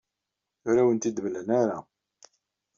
Ur awen-t-id-mlan ara.